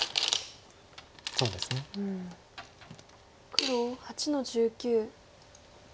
黒８の十九。